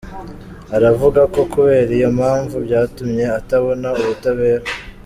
Aravuga ko kubera iyo mpamvu byatumye atabona ubutabera.